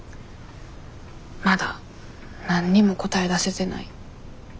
まだ何にも答え出せてない。